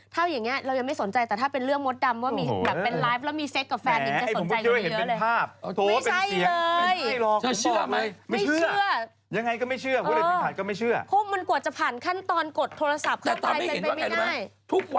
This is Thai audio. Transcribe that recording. ถ้าอย่างนั้นหนิว่ามั่ว